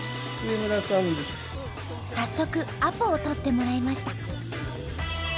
早速アポを取ってもらいました。